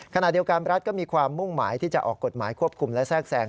ขณะเดียวกันรัฐก็มีความมุ่งหมายที่จะออกกฎหมายควบคุมและแทรกแซง